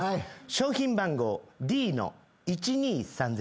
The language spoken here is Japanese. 商品番号Ｄの１２３０